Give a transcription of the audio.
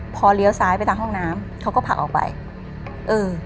พอเลี้ยวซ้ายไปทางห้องน้ำเขาก็ผลักออกไปเออ